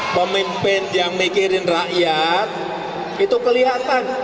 pemimpin yang mikirin rakyat itu kelihatan